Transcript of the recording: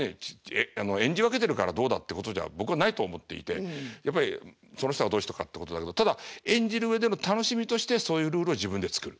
演じ分けてるからどうだってことじゃ僕はないって思っていてやっぱりその人がどうしたかってことだけどただ演じる上での楽しみとしてそういうルールを自分で作る。